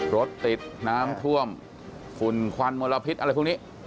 รถติดน้ำท่วมฝุ่นควันมลพิษอะไรพวกนี้